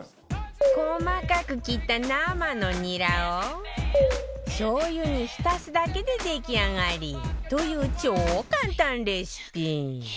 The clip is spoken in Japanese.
細かく切った生のニラをしょう油に浸すだけで出来上がりという超簡単レシピ